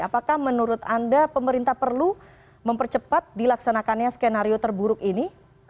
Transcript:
apakah menurut anda pemerintah perlu mempercepat dilaksanakannya skenario terburuk ini